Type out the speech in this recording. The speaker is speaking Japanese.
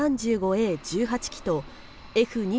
Ａ１８機とＦ２２